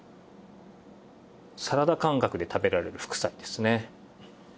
サラダ感覚で食べられる副菜ですね。